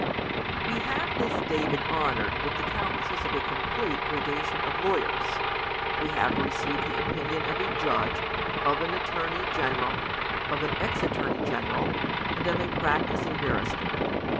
TT7E have this day been honored with the coun * V seis of a complete gradation of lawyers. We have received the opinion of a Judge, of an Attorney General, of an Ex Attorney General, and of a prac tising Barrister.